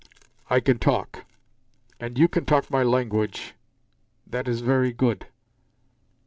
"I can talk. And you can talk my language. That is very good."